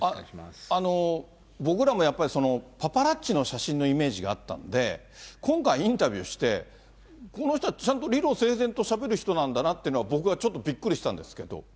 僕らもやっぱり、パパラッチの写真のイメージがあったんで、今回インタビューして、この人はちゃんと理路整然としゃべる人なんだなというのが、僕はちょっとびっくりしたんですけど。